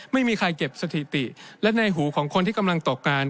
ไม่มีใครเก็บสถิติและในหูของคนที่กำลังตกงาน